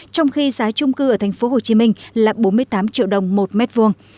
trong khi giá trung cư ở thành phố hồ chí minh là bốn mươi tám triệu đồng một mét vuông